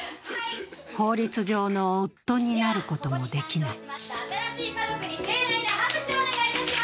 法律上の夫になることもできない。